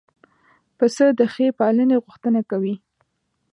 پسه د ښې پالنې غوښتنه کوي.